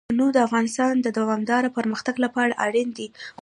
تنوع د افغانستان د دوامداره پرمختګ لپاره اړین دي.